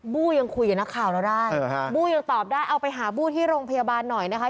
ู้ยังคุยกับนักข่าวเราได้บู้ยังตอบได้เอาไปหาบู้ที่โรงพยาบาลหน่อยนะคะ